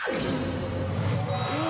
うわ！